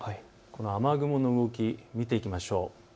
雨雲の動きを見ていきましょう。